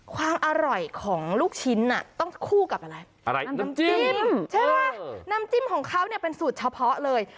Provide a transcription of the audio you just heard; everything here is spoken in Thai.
ความอร่อยของลูกชิ้นต้องคู่กับอะไรอะไรน้ำจิ้มใช่ไหมน้ำจิ้มของเขาเนี่ยเป็นสูตรเฉพาะเลย